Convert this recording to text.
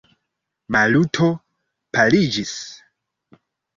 Maluto paliĝis.